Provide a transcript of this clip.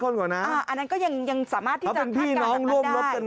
ข้นกว่าน้ำอ่าอันนั้นก็ยังยังสามารถพี่น้องร่วมรบกัน